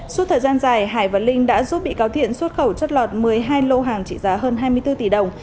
suốt thời gian dài hải và linh đã giúp bị cáo thiện xuất khẩu chất lọt một mươi hai lô hàng trị giá hơn hai mươi bốn tỷ đồng